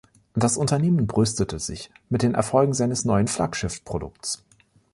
Das Unternehmen brüstete sich mit den Erfolgen seines neuen Flaggschiffprodukts.